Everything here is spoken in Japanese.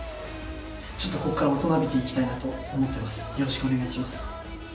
ちょっとここから大人びていきたいなと思ってます。